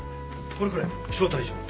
これこれ招待状。